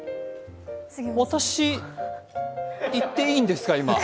私言っていいんですか、今。